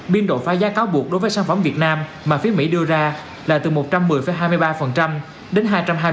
biên độ phá giá cáo buộc đối với sản phẩm việt nam mà phía mỹ đưa ra là từ một trăm một mươi hai mươi ba đến hai trăm hai mươi năm sáu mươi năm